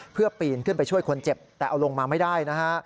เพื่อปีนขึ้นไปช่วยคนเจ็บแต่เอาลงมาไม่ได้นะฮะ